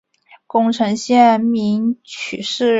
宫城县名取市人。